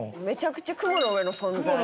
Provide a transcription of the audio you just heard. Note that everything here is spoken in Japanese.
めちゃくちゃ雲の上の存在。